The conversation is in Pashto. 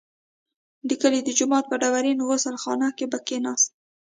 د کلي د جومات په ډبرینه غسل خانه کې به کښېناست.